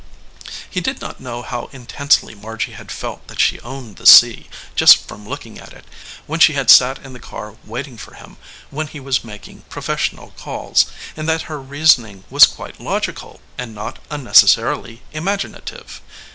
He did not know how intensely Margy had felt that she owned the sea, just from looking at it, when she had sat in the car waiting for him when he was making professional calls, and that her rea soning was quite logical and not unnecessarily imaginative.